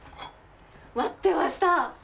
待ってました！